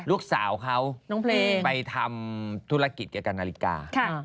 ลูกสาวเขาไปทำธุรกิจกับนาฬิกา